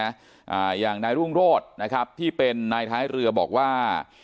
อ่าอย่างนายรุ่งโรธนะครับที่เป็นนายท้ายเรือบอกว่า